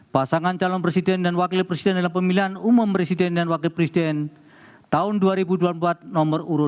pasangan calon presiden dan wakil presiden dalam pemilihan umum presiden dan wakil presiden tahun dua ribu dua puluh empat nomor urut dua